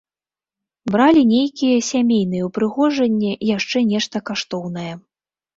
Бралі нейкія сямейныя ўпрыгожанні, яшчэ нешта каштоўнае.